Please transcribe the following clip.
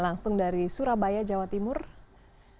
langsung dari surabaya jawa timur